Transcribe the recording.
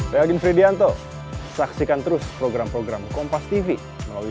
saya yakin freedianto saksikan terus program program kompas tv melalui